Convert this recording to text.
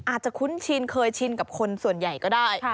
คุ้นชินเคยชินกับคนส่วนใหญ่ก็ได้